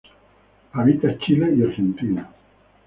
Habita Chile y Argentina.